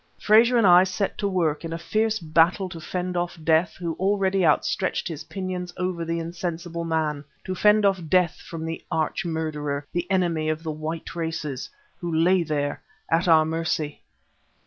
Frazer and I set to work, in a fierce battle to fend off Death, who already outstretched his pinions over the insensible man to fend off Death from the arch murderer, the enemy of the white races, who lay there at our mercy!